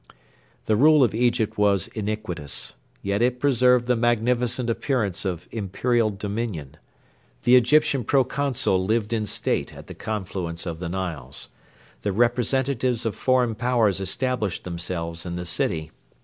The rule of Egypt was iniquitous: yet it preserved the magnificent appearance of Imperial dominion. The Egyptian Pro consul lived in state at the confluence of the Niles. The representatives of foreign Powers established themselves in the city.